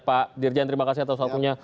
pak dirjen terima kasih atas waktunya